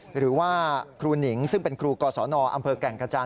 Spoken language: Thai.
หรือว่าครูหนิงซึ่งเป็นครูกศนอำเภอแก่งกระจาน